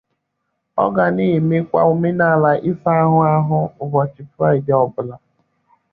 Ọ ga na-emekwa omenala ịsa ahụ ahụ ụbọchị Fraịdee ọbụla